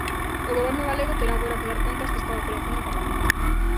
O Goberno galego terá agora que dar contas desta operación no Parlamento.